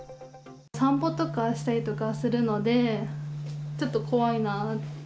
散歩とかしたりとかするので、ちょっと怖いな。